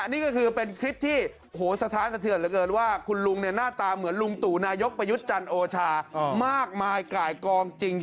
นี่ก็คือเป็นคลิปที่โหสะท้านสะเทือนเหลือเกินว่าคุณลุงเนี่ยหน้าตาเหมือนลุงตู่นายกประยุทธ์จันทร์โอชามากมายไก่กองจริง